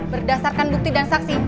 berdasarkan bukti dan saksi